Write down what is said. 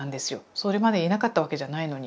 それまでいなかったわけじゃないのに。